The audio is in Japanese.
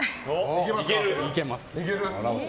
いけます。